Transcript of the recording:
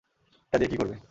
এটা দিয়ে কি করবে?